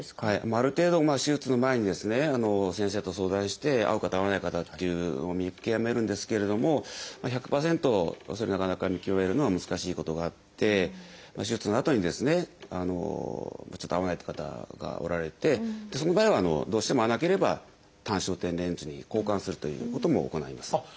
ある程度手術の前にですね先生と相談して合う方合わない方っていうのを見極めるんですけれども１００％なかなか見極めるのは難しいことがあって手術のあとにですねちょっと合わないという方がおられてその場合はどうしても合わなければ単焦点レンズに交換するということも行います。